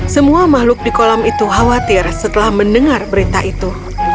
semua makhluk di kolam itu khawatir setelah mendengar berita itu